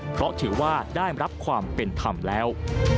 เพราะถือว่าได้รับความเป็นธรรมแล้ว